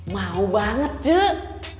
mau banget cuk